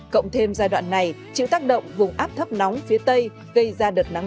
cộng thêm giai đoạn này chịu tác động vùng áp thấp nóng phía tây gây ra đợt nắng